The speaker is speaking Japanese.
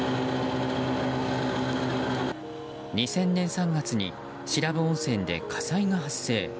２０００年３月に白布温泉で火災が発生。